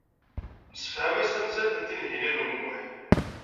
Nessefhem-as tamsalt i Tinhinan u Muḥ.